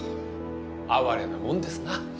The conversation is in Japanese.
哀れなもんですな。